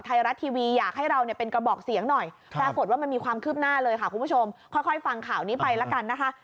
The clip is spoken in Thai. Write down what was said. ไทยรัฐทีวีอยากให้เราเนี่ยเป็นกระบอกเสียงหน่อยปรากฏว่ามันมีความคืบหน้าเลยค่ะคุณผู้ชมค่อยฟังข่าวนี้ไปละกันนะคะ